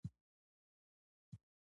سیالي پانګوال د تولید پراخوالي ته مجبوروي